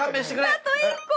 あと１個！